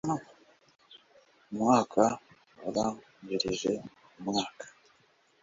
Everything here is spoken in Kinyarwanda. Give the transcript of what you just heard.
mu mwaka wabanjirije umwaka